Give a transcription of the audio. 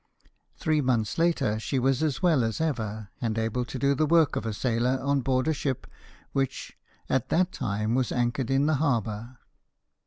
Three months later she was as well as ever, and able to do the work of a sailor on board a ship which, at that time, was anchored in the harbour.